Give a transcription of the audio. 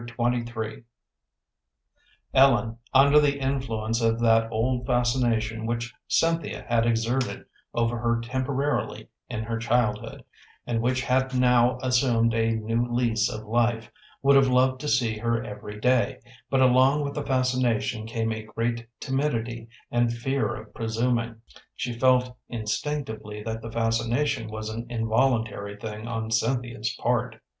Chapter XXIII Ellen, under the influence of that old fascination which Cynthia had exerted over her temporarily in her childhood, and which had now assumed a new lease of life, would have loved to see her every day, but along with the fascination came a great timidity and fear of presuming. She felt instinctively that the fascination was an involuntary thing on Cynthia's part.